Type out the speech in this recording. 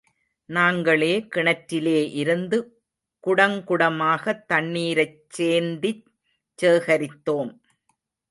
நாங்களே கிணற்றிலே இருந்து குடங்குடமாகத் தண்ணீரைச் சேந்திச் சேகரித்தோம்.